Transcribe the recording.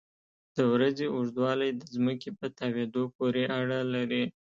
د ورځې اوږدوالی د ځمکې په تاوېدو پورې اړه لري.